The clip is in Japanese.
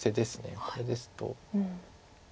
これですと。